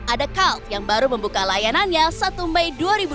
ada kalt yang baru membuka layanannya satu mei dua ribu dua puluh